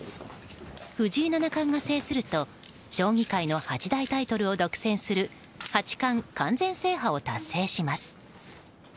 藤井七冠が制すると将棋界の八大タイトルを独占する八冠完全制覇を達成します。